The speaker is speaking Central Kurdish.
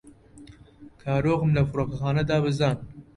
کارۆخم لە فڕۆکەخانە دابەزاند.